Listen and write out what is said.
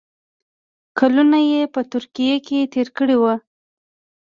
کلونه یې په ترکیه کې تېر کړي وو.